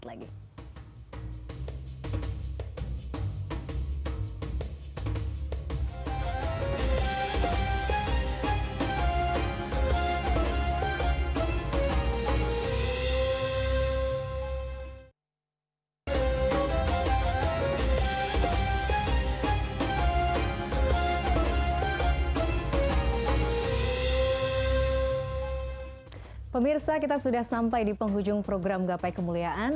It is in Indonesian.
terima kasih ayman